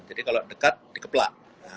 jadi kalau dekat dikeplak